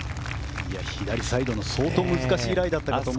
左サイドの相当難しいライでしたが。